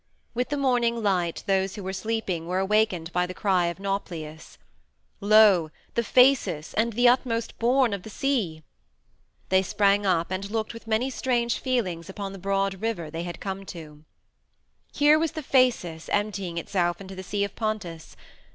With the morning light those who were sleeping were awakened by the cry of Nauplius "Lo! The Phasis, and the utmost bourne of the sea!" They sprang up, and looked with many strange feelings upon the broad river they had come to. Here was the Phasis emptying itself into the Sea of Pontus!